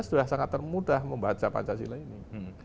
sudah sangat termudah membaca pancasila ini